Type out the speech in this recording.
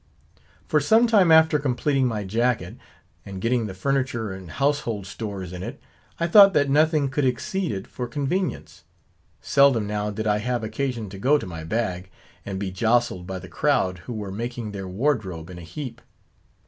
For some time after completing my jacket, and getting the furniture and household stores in it; I thought that nothing could exceed it for convenience. Seldom now did I have occasion to go to my bag, and be jostled by the crowd who were making their wardrobe in a heap.